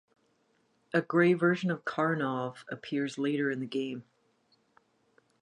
A grey version of Karnov appears later in the game.